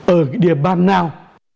ở địa bàn nào